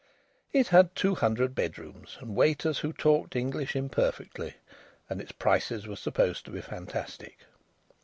It had two hundred bedrooms, and waiters who talked English imperfectly; and its prices were supposed to be fantastic.